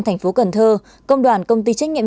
thành phố cần thơ công đoàn công ty trách nhiệm